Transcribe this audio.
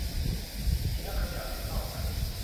แล้วเขย่าให้เข้ากัน